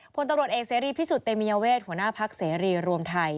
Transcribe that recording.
พลตำรวจเอกเสรีพิสุทธิเตมียเวทหัวหน้าพักเสรีรวมไทย